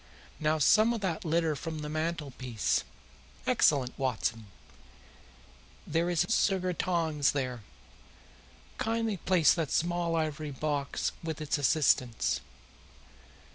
Now some of that litter from the mantelpiece. Excellent, Watson! There is a sugar tongs there. Kindly raise that small ivory box with its assistance.